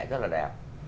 rất là đẹp